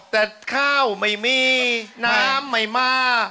แต่ข้าวไม่มีน้ำไม่มา